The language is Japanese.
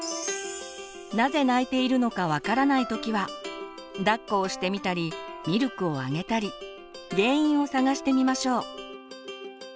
なぜ泣いているのか分からない時はだっこをしてみたりミルクをあげたり原因を探してみましょう。